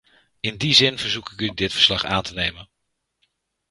In die zin verzoek ik u dit verslag aan te nemen.